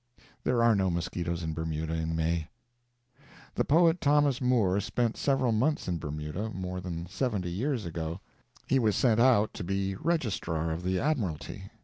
There are no mosquitoes in the Bermudas in May. The poet Thomas Moore spent several months in Bermuda more than seventy years ago. He was sent out to be registrar of the admiralty.